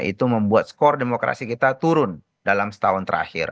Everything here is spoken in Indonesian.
itu membuat skor demokrasi kita turun dalam setahun terakhir